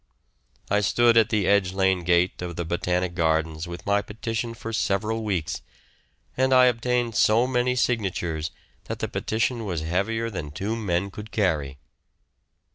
I stood at the Edge Lane gate of the Botanic Gardens with my petition for several weeks, and I obtained so many signatures that the petition was heavier than two men could carry.